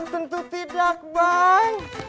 tentu tidak bang